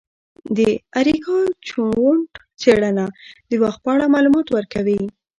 د اریکا چنووت څیړنه د وخت په اړه معلومات ورکوي.